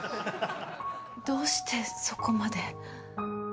どうしてそこまで。